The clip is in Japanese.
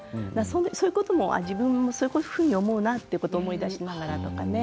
そういうことも自分はそういうふうに思うなということを思い出しながらですね